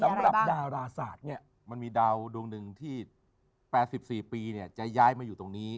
สำหรับดาราศาสตร์เนี่ยมันมีดาวดวงหนึ่งที่๘๔ปีจะย้ายมาอยู่ตรงนี้